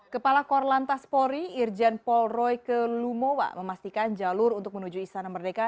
kepala korlantas polri irjen polroike lumowa memastikan jalur untuk menuju istana merdeka